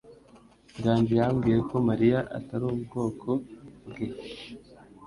Nganji yambwiye ko Mariya atari ubwoko bwe.